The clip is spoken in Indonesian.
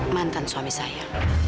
mantan suami saya